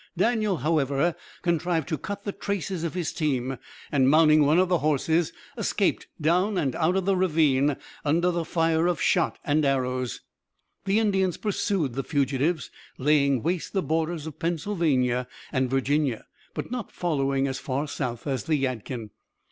Daniel, however, contrived to cut the traces of his team, and mounting one of the horses, escaped down and out of the ravine under a fire of shot and arrows. The Indians pursued the fugitives, laying waste the borders of Pennsylvania and Virginia, but not following as far south as the Yadkin.